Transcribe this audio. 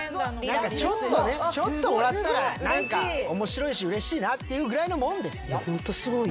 ちょっとねもらったら面白いしうれしいなっていうぐらいのもんですよ。